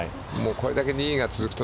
これだけ２位が続くと。